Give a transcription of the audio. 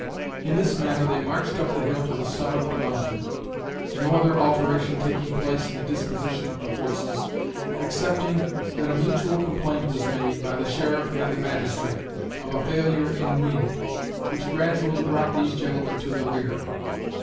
In this manner they marched up the hill to the summit of the mountain, no other alteration taking place in the disposition of the forces, excepting that a mutual complaint was made, by the sheriff and the magistrate, of a failure in wind, which gradually' brought these gentlemen to the rear.